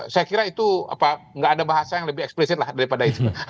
saya kira itu apa nggak ada bahasa yang lebih eksplisit lah daripada itu